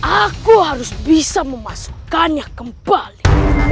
aku harus bisa memasukkannya kembali